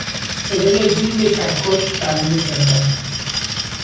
صدای دینگ چکش بر روی سندان